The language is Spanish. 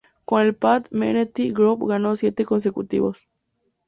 Con el Pat Metheny Group ganó siete consecutivos.